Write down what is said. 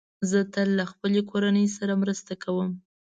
زه تل له خپلې کورنۍ سره مرسته کوم.